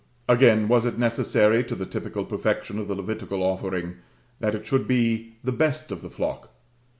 Again, was it necessary to the typical perfection of the Levitical offering, that it should be the best of the flock?